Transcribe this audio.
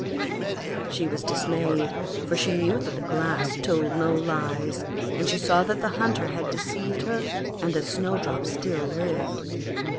She was dismayed, for she knew that the Glass told no lies, and she saw that the Hunter had deceived her and that Snowdrop still lived.